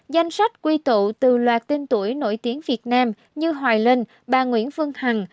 danh sách quy tụ từ loạt tên tuổi nổi tiếng việt nam như hoài linh bà nguyễn phương hằng